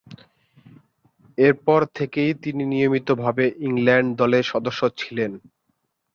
এরপর থেকেই তিনি নিয়মিতভাবে ইংল্যান্ড দলের সদস্য ছিলেন।